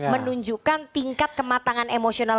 menunjukkan tingkat kematangan emosional